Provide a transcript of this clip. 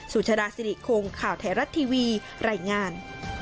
สุชาดาสิริคงข่าวไทยรัฐทีวีรายงาน